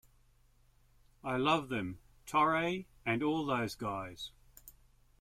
I love them, Torre and all those guys.